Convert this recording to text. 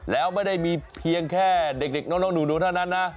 แล้วไม่ได้มีเพียงแค่เด็กน้องหนูเท่านั้นนะ